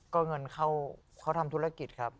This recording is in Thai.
ก็เงินเข้าเขาทำธุรกิจครับ